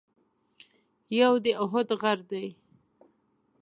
یو د اُحد غر دی.